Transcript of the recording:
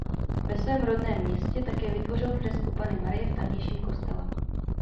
Ve svém rodném městě také vytvořil fresku Panny Marie v tamějším kostele.